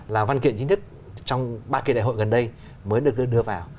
là văn kiện chính thức trong ba kỳ đại hội gần đây mới được đưa vào